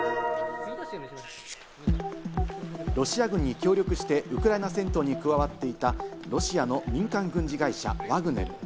ロシア軍に協力して、ウクライナ戦闘に加わっていた、ロシアの民間軍事会社・ワグネル。